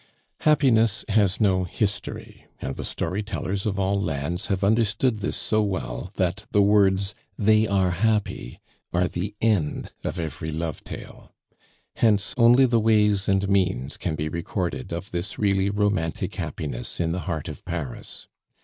Happiness has no history, and the story tellers of all lands have understood this so well that the words, "They are happy," are the end of every love tale. Hence only the ways and means can be recorded of this really romantic happiness in the heart of Paris.